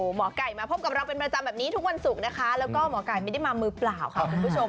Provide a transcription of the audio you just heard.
หมอไก่มาพบกับเราเป็นประจำแบบนี้ทุกวันศุกร์นะคะแล้วก็หมอไก่ไม่ได้มามือเปล่าค่ะคุณผู้ชม